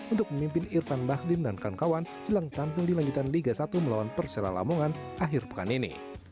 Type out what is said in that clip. untuk memimpin irfan bahdim dan kawan kawan jelang tampil di lanjutan liga satu melawan persela lamongan akhir pekan ini